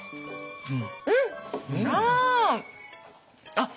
あっ！